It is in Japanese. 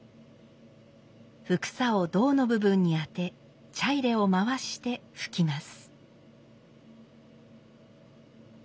帛紗を胴の部分に当て茶入を回して拭きます。